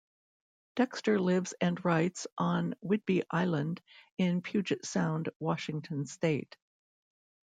Dexter lives and writes on Whidbey Island in Puget Sound, Washington state.